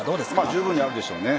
十分にあるでしょうね。